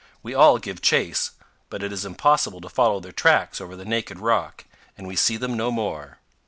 We all give chase; but it is impossible to follow their tracks over the naked rock, and we see them no more.